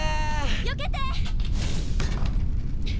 よけて！